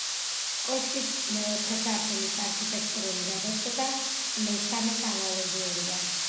კოშკის მეოთხე სართულის არქიტექტურული გადაწყვეტა მესამის ანალოგიურია.